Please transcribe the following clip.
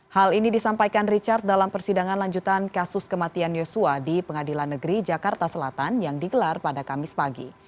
hal ini disampaikan richard dalam persidangan lanjutan kasus kematian yosua di pengadilan negeri jakarta selatan yang digelar pada kamis pagi